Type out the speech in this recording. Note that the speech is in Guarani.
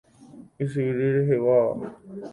Ysyry reheguáva.